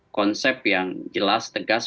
konsep yang jelas tegas